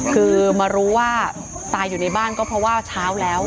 คือมารู้ว่าตายอยู่ในบ้านก็เพราะว่าเช้าแล้ว